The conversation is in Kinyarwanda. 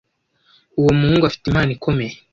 Uwo muhungu afite impano ikomeye.